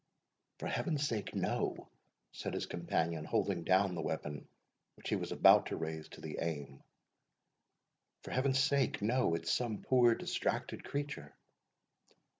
"For Heaven's sake, no," said his companion, holding down the weapon which he was about to raise to the aim "for Heaven's sake, no; it's some poor distracted creature."